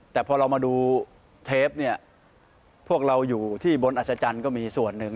แต่พอเรามาดูเทปเนี่ยพวกเราอยู่ที่บนอัศจรรย์ก็มีส่วนหนึ่ง